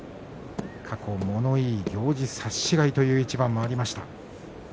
過去、物言い、行司差し違えという一番もありました。